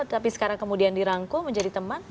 tapi sekarang kemudian dirangkul menjadi teman